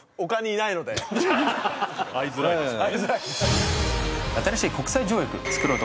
会いづらいですよね。